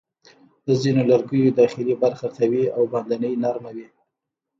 د ځینو لرګیو داخلي برخه قوي او باندنۍ نرمه وي.